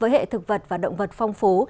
với hệ thực vật và động vật phong phú